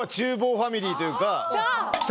ファミリーというか。